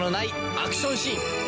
アクションシーン